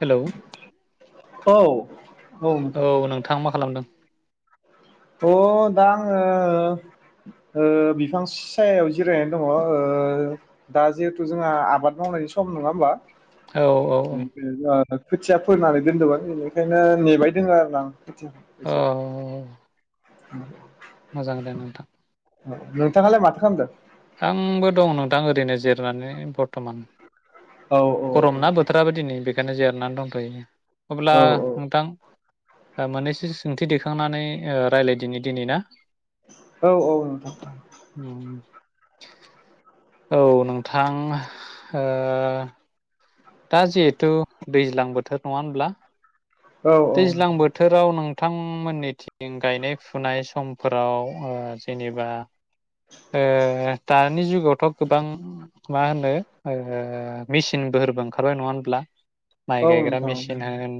हेल' औ नोंथां औ नोंथाङा मा खालामदों? अ दा आङो बिफां सायायाव जिरायनानै दङ दा जिहेथु जोंहा आबाद मावनायनि सम नङा होमबा औ औ औ खोथिया फोनानै दोनदोंमोन बेनिखायनो नेबाय दङ आरोना आं आतसा औ बेदिसो [inaudible] मोजांदे नोंथां नोंथांआलाय माथो खामदो आंबो दं नोंथां ओरैनो जिरायनानै बर्थ'मान औ औ गरम ना बोथोराबो दिनै बे बेखायनो जिरायनानै दंथ'यो औ अब्ला नोंथां मोननैसो सोंथि दैखांनानै रायलायदिनि दिनै ना औ औ नोंथां [inaudible] औ नोंथां ओ दा जिहेथु दैज्लां बोथोर नङा होनब्ला औ दैज्लां बोथोराव नों नोंथांमोननिथिं गायनाय फुनाय समफोराव जेनेबा ओ दा दानि जुगावथ' गोबां मा होनो मेसिन [unintelligible] ओंखारबाय नङा होनब्ला औ माइ गायग्रा नोंथां मेसिन होन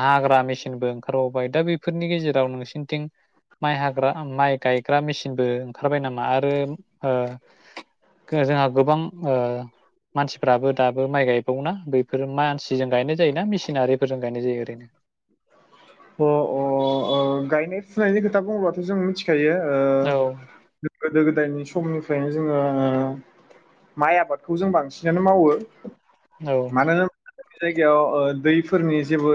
हाग्रा मेसिनबो ओंखारबावबाय दा बेफोरनि गेजेराव नोंसिनिथिं माइ हाग्रा माइ गायग्रा मेसिनबो ओंखारबाय नामा आरो जोंहा गोबां मानसिफ्राबो दाबो माइ गाय दंना बेफोरो मानसिजों गायनाय जायोना मेसिनारिफोरजों गायनाय जायो ओरैनो अ अ गायनाय फुनायनि खोथा बुङोबाथ' जों मिथि मिथिखायो ओ औ गोदो गोदायनि सम समनिफ्रायनो जोङो माइ आबादखौ जों बांसिनानो मावो औ बे जायगायाव दैफोरनि जेबो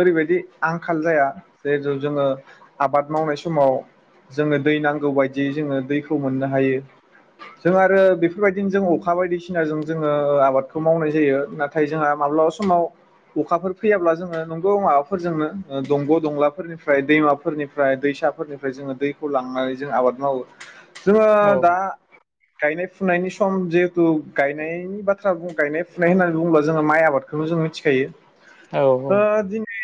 ओरैबायदि आंखाल जाया जेहुथु जोङो आबाद मावनाय समाव जोंनो दै नांगौ बायदियै जोङो दैखौ मोननो हायो जों आरो बेफोरबायदिनो जों अखा बायदिसिनाजों जोङो आबादखौ मावनाय जायो नाथाय जोंहा माब्लाबा समाव अखाफोर फैयाब्ला जोङो नंगौ माबाफोरजोंनो दंग' दंलाफोरनिफ्राय दैमाफोरनिफ्राय दैसाफोरनिफ्राय जोङो दैखौ लांनानै जों आबाद मावो जोङो औ दा गायनाय फुनायनि सम जिहेथु गायनायनि बाथ्रा गायनाय फुनाय होननानै बुङोब्ला जोङो माइ आबादखौनो जों मिथिखायो औ औ आ दिनो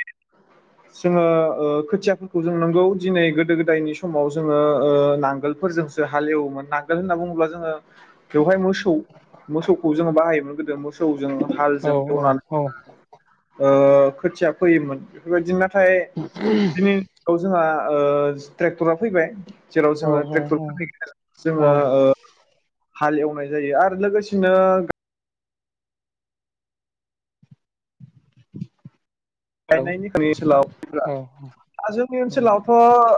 जोङो ओ खोथियाफोरखौ जों नोंगौ दिनै गोदो गोदायनि समाव जोङो नांगोलफोरजोंसो हालेवोमोन नांगोल होनना बुङोब्ला जोङो बेवहाय मोसौ मोसौ मोसौखौ जोङो बाहायोमोन गोदो मोसौजों औ हालजों एवनानै औ ओ खोथिया फैयोमोन बेबायदिनो नाथाय दिनै जोंहा ओ ट्रेक्टरा फैबाय जेराव औ जोङो ट्रेक्टर औ [unintelligible] औ जोङो हाल एवनाय जायो आरो लोगोसेनो हेलौ गायनायनि ओनसोलाव औ जोंनि औ ओनसोलावथ'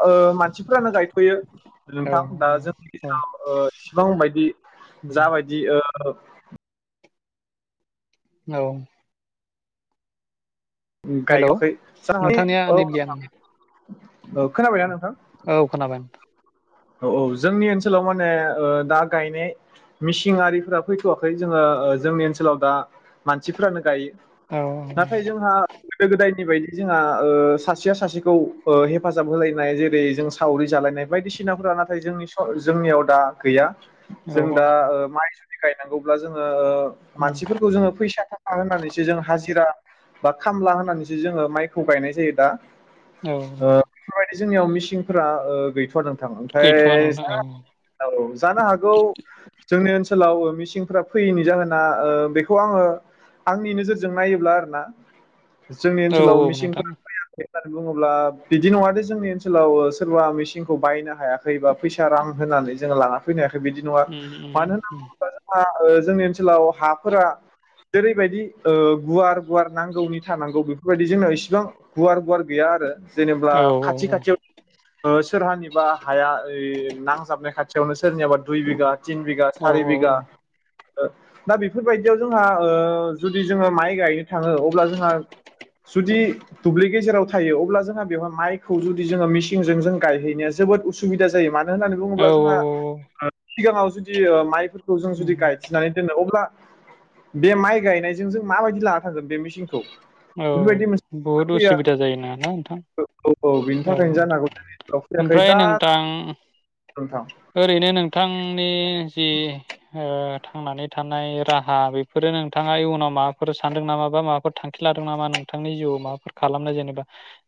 ओ मानसिफोरानो गायथ'यो औ नोंथां दा जोंनि औ गेजेराव इसेबां बायदि उम जाबायदि औ औ हेलौ गायथ'खै ज नोंथांनिया औ नेट गैया नामा? औ खोनाबायना नोंथां औ खोनाबाय औ औ जोंनि ओनसोलाव माने ओ दा गायनाय मिसिनरिफोरा फैथ'वाखै जोङो जोंनि ओनसोलाव दा मानसिफोरानो गायो नाथाय जोंहा औ गोदो गोदायनि बायदि जोंहा ओ सासेया सासेखौ हेफाजाब होलायनाय जेरै जों सावरि जालायनाय बायदिसिना नाफोरा नाथाय जोंनि जोंनियाव दा गैया औ जों औ दा माइ गायनांगौब्ला जोङो ओ उम मानसिफोरखौ जोङो फैसा थाखा होननानैसो जों हाजिरा बा खामला होननानैसो जोङो माइखौ गायनाय जायो दा औ ओ बेफोरबायदि जोंनियाव मिसिनफोरा गैथ'वादा थां गैथ'वा ओमफ्राय नोंथां औ जानो हागौ जोंनि ओनसोलाव मिसिनफ्रा फैयैनि जाहोना ओ बेखौ आङो आंनि नोजोरजों नायोब्ला आर ना औ औ नोंथां बुङोब्ला बिदि नङा दे जोंनि ओनसोलाव सोरबा मेसिनखौ बायनो हायाखै एबा फैसा रां होननानै जोङो लाना फैनो हाखै बिदि नङा उम उम मानो होनना उम बुङोब्ला जोंहा जोंनि ओनसोलाव हाफोरा जेरैबायदि ओ गुवार गुवार नांगौनि थानांगौबो बेफोरबायदि जोंनाव इसिबां गुवार गुवार गैया आरो जेनेबा औ औ औ खाथि खाथियाव ओ सोरहानि बा ऐ‌ नांजाबनाय खाथियावनो सोरनियाबा दुइ बिघा तिन बिघा सारि बिघा औ दा बेफोरबायदियाव जोंहा ओ जुदि जोङो माइ गायनो थाङो अब्ला जोंहा जुदि दुब्लि गेजेराव थायो अब्ला जोंहा बेहाय माइखौ जुदि जोङो मिसिन सिंजों [unintelligible] गायहैनाया जोबोद असुबिदा जायो मानो होनबा मानो होननानै औ बुङोब्ला जोंहा औ ओ सिगाङाव जुदि माइफोरखौ जों जुदि उम गायथिनानै दोनो अब्ला बे माइ गायनायजों जों माबायदि लाना थांगोन बे मेचिनखौ औ बेफोरबायदि बहुद मोनसे फैया उसुबिदा जायोना ना नोंथां औ औ बिनि थाखायनो जानांगौ ज फैयाखै ओमफ्राय दा नोंथां नोंथां ओरैनो नोंथांनि जि ओ थांनानै थानाय राहा बेफोरो नोंथाङा इयुनाव माबाफोर सानदों नामा बा माबाफोर थांखि खि लादों नामा नोंथांनि जिउआव माबाफोर खालामनो जेनेबा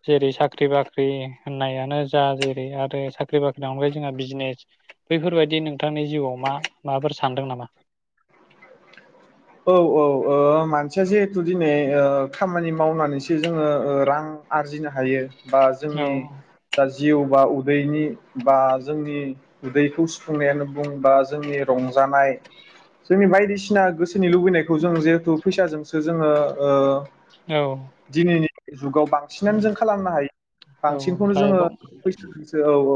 जेरै साख्रि-बाख्रि होननायानो जा जेरै आरो साख्रि बाख्रिनि अनगायै जोंहा बिजनेस बैफोरबायदि नोंथांनि जिउआव मा माबाफोर सानदों नामा औ औ मानसिया ओ जिहेथु दिनै खामानि मावनानैसो जोङो ओ रां आरजिनो हायो बा औ जोंनि दा जिउ बा उदैनि बा जोंनि उदैखौ सुफुंनायानो बुं बा जोंनि रंजानाय जोंनि बायदिसिना गोसो नि लुबैनायखौ जों जिहेथु फैसाजोंसो जोङो ओ औ दिनैनि जुगाव बांसिनानो जों औ खालामनो हायो औ बांसिनखौनो जोङो लाइफआव फैसाजोंसो औ औ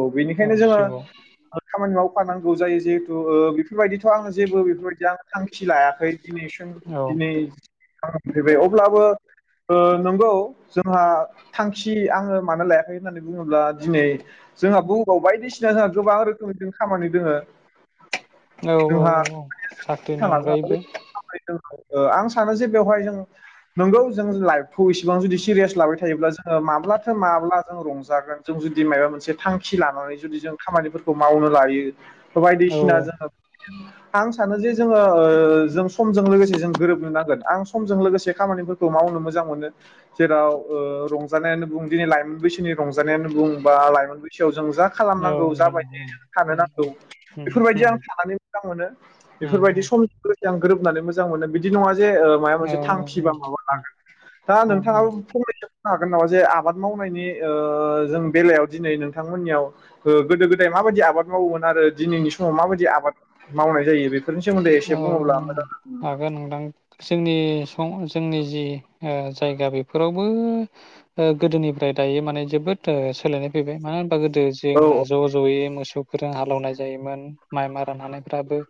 औ बेनिखायनो जोङो जिउआव खामानि मावो थानांगौ जायो जहेथु ओ बेफोरबायदिथ' आंङो जेबो बेफोरबायदि आं थांखि लाया दिनैसिम औ दिनै फैबाय अब्लाबो ओ नंगौ जोंहा थांखि आङो मानो लायाखै होननानै बुङोब्ला दिनै जोंहा बुहु औ बायदिसिना जोंहा गोबां रोखोमनि खामानि दोङो औ औ औ औ साख्रिनि अनगायैबो ' [unintelligible] ओ आं सानो जे बेवहाय जों नंगौ जों लाइफखौ इसेबां जुदि सिरियास लाबाय थायोब्ला जोङो माब्लाथो माब्ला जों रंजागोन जों जुदि माबा मोनसे थांखि लानानै जुदि जों खामानिफोरखौ मावनो लायो औ बायदिसिना जोङो आं सानो जे जोङो जों समजों लोगोसे जों गोरोबनो नांगोन आं समजों लोगोसे खामानिफोरखौ मावनो मोजां मोनो जेराव रंजानायानो बुं दिनै लाइमोन बैसोनि रंजानायानो बुं बा लाइमोन बैसोआव जों जा खालामनांगौ नोंथां जाबायदि जों थानो उम नांगौ उम उम बेफोरबायदि उम आं थानानै मोजां मोनो उम बेफोरबायदि सम आं गोरोबनानै मोजां मोनो बिदि नङाब्ला जे जे माबा औ मोनसे थांखि बा माबा मोनसे लागोन औ दा नोंथाङाबो फंनैसो बुंनो हागोन नामा जे आबाद मावनायनि जों बेलायाव दिनै नोंथांमोननियाव गोदो गोदाय माबायदि आबाद मावोमोन आरो दिनैनि समाव माबायदि आबाद मावनाय जायो बेफोरनि सायाव औ हागोन नोंथां जोंनि स जोंनि जि जायगा बेफोरावबो गोदोनिफ्राय दायो माने जोबोद सोलायनाय फैबाय मानो गोदो औ जोंना ज' ज'यै मोसौ मोसौफोरजों हालौनाय जायोमोन माइ मारा नानायफ्राबो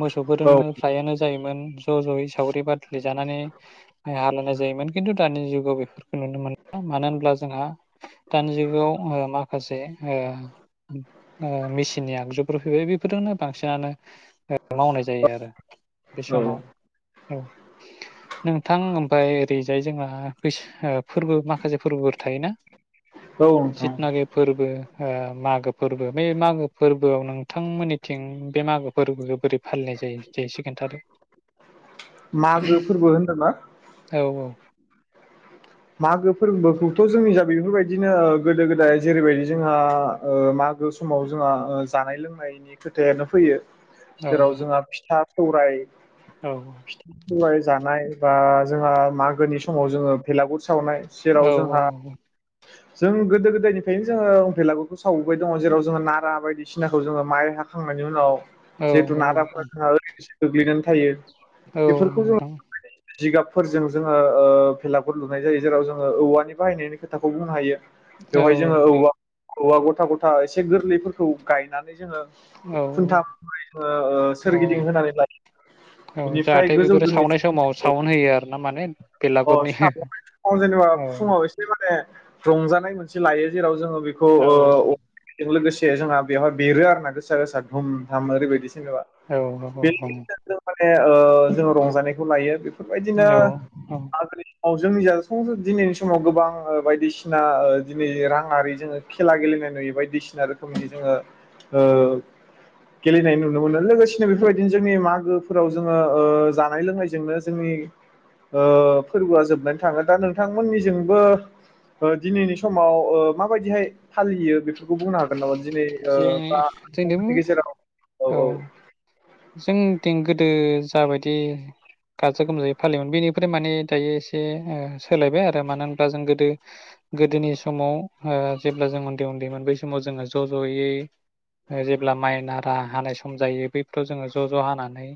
मोसौफोरजोंनो फ्रायानो जायोमोन ज' ज'यै सावरि बादलि जानानै माइ हालायनाय जायोमोन खिन्थु दानि जुगाव बेफोरखौ नुनो मोनला मानो होनब्ला जोंहा दानि जुगाव माखासे मेसिननि आगजुफोर फैबाय बेफोरजोंनो बांसिनानो मावनाय जायो आरो बे औ औ समाव औ नोंथां ओमफाय ओरैजाय जोंहा बैस फोरबो माखासे फोरबोफोर थायोना औ नोंथां सितनाागे फोरबो मागो फोरबो बे मागो फोरबोआव नोंथांमोननिथिं बे मागो फोरबोखौ बोरै फालिनाय जायो दे एसे खोन्थादो मागो फोरबो होनदोंना औ औ मागो फोरबोखौथ' जोंनि जा बेफोरबायदिनो गोदो गोदाय जेरैबायदि जोंहा मागो समाव जोंहा जानाय लोंनायनि खोथायानो फैयो जेराव जोंहा फिथा सौराय औ फिथा सौराय जानाय बा जोंहा मागोनि समाव जोङो भेलागुर सावनाय औ सेराव जोंहा जों गोदो गोदायनिफ्रायनो जोङो बेलागुरखौ सावबोबाय दङ जेराव जोङो नारा बायदिसिनाखौ जोङो माइ हाखांनायनि उनाव औ जेथु नाराफोरखो ओरैनोसो गोग्लैनानै थायो औ बेफोरखौ जों नोंथां जिगाबफोरजों जोंङो बेलागुर लुनाय जायो जेराव जोङो औवानि बाहायनायनि खोथाखौ बुंनो हायो औ बेवहाय जोङो औवा औवा गथा गथा एसे गोरलैफोरखौ गायनानै जोङो औ खुन्था जोङो ओ औ सोरगिदिं होनानै लायो औ औ बिनिफ्राय जाहाथे बेफोरो गोजौजों सावनाय समाव सावन होयो आरो ना माने अ बेलागुरनि जेनेबा औ फुङाव एसे माने रंजानाय मोनसे लायो जेराव जोङो बेखौ औ ओ लोगोसे जोंना बेवहाय बेरो आरो ना गोसा गोसा धुम धाम ओरैबायदि जेनेबा औ [unintelligible] ओ जोङो रंजानायखौ लायो औ सम जोंनि जा सं दिनैनि समाव गोबां बायदिसिना दिनै राङारि जोङो खेला गेलेनाय नुयो बायदिसिना रोखोमनि जोङो ओ गेलेनाय नुनो मोनो लोगोसेनो बेफोरबायदिनो जोंनि मागोफोराव ओ जोङो जानाय लोंनायजोंनो जोंनि ओ फोरबोआ जोबनानै थाङो दा नोंथांमोननिजोंबो दिनैनि समाव ओ माबायदिहाय फालियो बे बे बुंनो हागोन नामा दिनै ओ जोंनि बा जोंजोंबो गेजेराव औ औ जोंनिथिं गोदो जाबायदि गाजा गोमजायै फालियोमोन बेनिफ्राय माने दायो एसे ओ सोलायबाय आरो मानो होनब्ला जों गोदो गोदोनि समाव जेब्ला जों उन्दै उन्दैमोन बै समाव जोङो ज' ज'यैै जेब्ला माइ नारा हानाय सम जायो बे खौ जोङो ज' ज' हानानै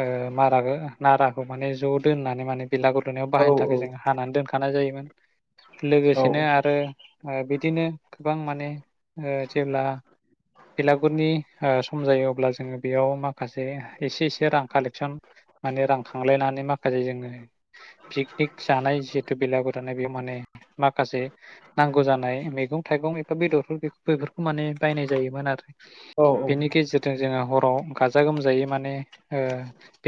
ओ माराखौ नाराखौ माने ज' दोननानै माने बेलागुर लुनायाव औ बाहायनो थाखाय जों हानानै दोनखानाय जायोमोन औ लोगोसेनो आरो बिदिनो गोबां माने ओ जेब्ला बेलागुरनि ओ सम जायो अब्ला जोङो बेयाव माखासे एसे एसे रां कालेकसन माने रां खांलायनानै माखासे जोङो पिकनिक जानाय जिहेथु बेलागुरनाय बेयाव माने माखासे नांगौ जानाय मैगं थाइगं एबा बेदर बेफोरखौ माने बायनाय जायोमोन आरो बेनि गेजेरजों जोङो आव गाजा गोमजायै माने ओ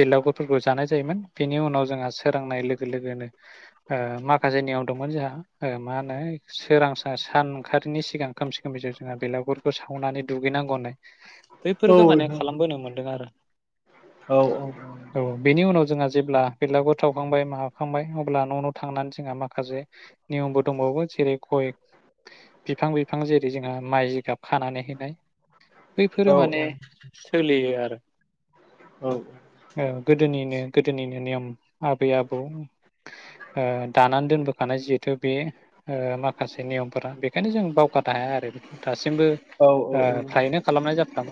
बेलागुरफोरखौ जानाय जायोमोन बेनि उनाव जोंहा सोरोंनाय लोगो लोगोनो ओ माखासे नियम दंमोन जोंहा ओ मा होनो सोरां सान ओंखारिनि सिगां खोमसि खोमसि जोंहा बेलागुरफोरखौ सावनानै दुगैनांगौ होननाय बैफोरखौ माने मोनदों आरो औ बेनि उनाव जोंहा जेब्ला बेलागुर सावखांबाय माखांबाय अब्ला न' न' थांनानै जोंहा माखासे नियमबो दंबावो जेरै गय बिफां बिफां जेरै जोंहा माइ जिगाब खानानै हैनाय बैफोरो माने औ सोलियो आरो औ गोदोनिनो गोदोनिनो नियम आबै आबौ दानानै दोनबोखानाय जिहेथु बे ओ माखासे माखासे नियमफोरा बेखायनो जों बावगारनो हाया आरो बेखौ दासिमबो औ नोंथां औ औ ओ फ्रायैनो खालामनाय जा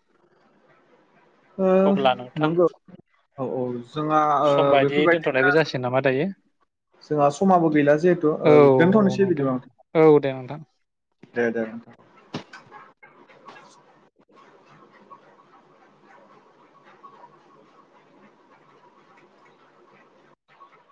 [inaudible] नोंथां नंगौ औ औ जोंहा सम बायदियै दोनथ'नायबो बेफोरबायदिनो जासिगोन नामा दायो जोंहा समाबो गैला जिहेथु औ दोनथ'नोसै नोंथां औ दे बिदिबाोंथां नोंथां दे दे नोंथां [inaudible]